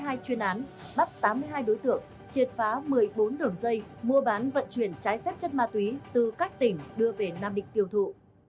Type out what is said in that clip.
hai chuyên án bắt tám mươi hai đối tượng triệt phá một mươi bốn đường dây mua bán vận chuyển trái phép chất ma túy từ các tỉnh đưa về nam định tiêu thụ